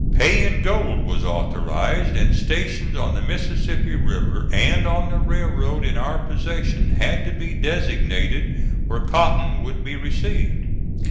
Pay in gold was authorized, and stations on the Mississippi River and on the railroad in our possession had to be designated where cotton would be received.